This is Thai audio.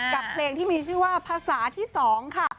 กับเพลงที่มีชื่อว่าภาษาที่๒ค่ะ